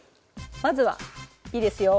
まずはいいですよ